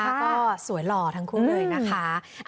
แล้วก็สวยหล่อทั้งคู่เลยนะคะ